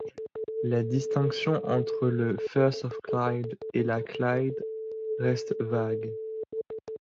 La distinction entre le Firth of Clyde et la Clyde reste vague.